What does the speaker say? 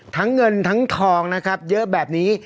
ทั้งเงินทั้งทองนะครับเยอะแบบนี้